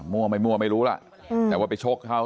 มั่วบ้อยมั่วไม่รู้แต่ว่าไปชกเขา